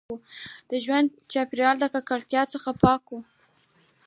د ژوند چاپیریال له ککړتیا څخه پاک وي.